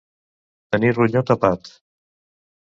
Tenir ronyó tapat.